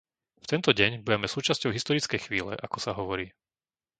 V tento deň budeme súčasťou historickej chvíle, ako sa hovorí.